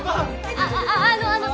あああのあの！